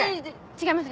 違います